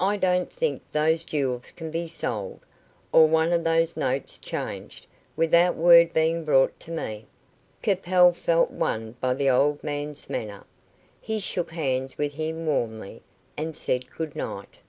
I don't think those jewels can be sold, or one of those notes changed, without word being brought to me." Capel felt won by the old man's manner. He shook hands with him warmly, and said "Good night."